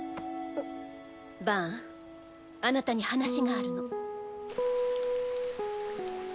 バーンあなたに話があるの。